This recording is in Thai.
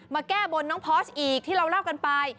มาแก้บนน้องพอร์ชอีกที่เราราบกันไป